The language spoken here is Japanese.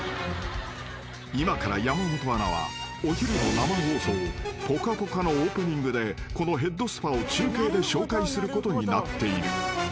［今から山本アナはお昼の生放送『ぽかぽか』のオープニングでこのヘッドスパを中継で紹介することになっている］